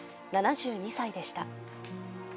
７２歳でした。